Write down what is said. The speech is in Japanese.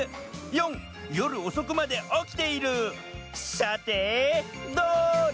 さてどれだ？